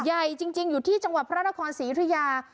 ใหญ่จริงอยู่ที่จังหวะพระราทคอนศรีธุยา